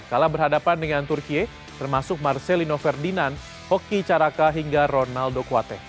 kalah berhadapan dengan turkiye termasuk marcelino ferdinand hoki caraka hingga ronaldo kuate